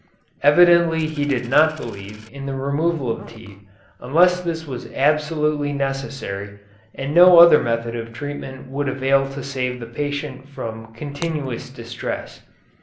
Evidently he did not believe in the removal of the teeth unless this was absolutely necessary and no other method of treatment would avail to save the patient from continuous distress.